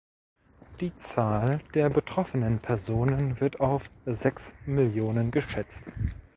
Die Zahl der betroffenen Personen wird auf sechs Millionen geschätzt.